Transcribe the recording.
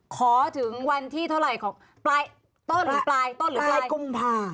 ขอถึงวันที่เท่าไหร่ของปลายต้นหรือปลายต้นหรือปลายกุมภา